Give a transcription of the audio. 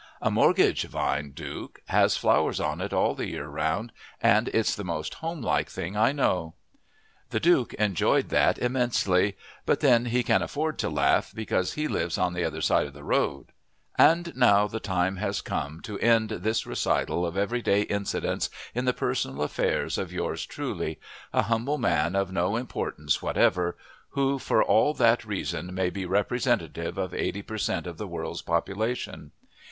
A mortgage vine, Duke, has flowers on it all the year round, and it's the most homelike thing I know." The Duke enjoyed that immensely but then he can afford to laugh, because he lives on the other side of the road. And now the time has come to end this recital of everyday incidents in the personal affairs of Yours Truly a humble man of no importance whatever, who for that reason may be representative of eighty per cent. of the world's population.